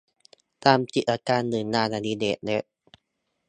ทำกิจกรรมหรืองานอดิเรกเล็ก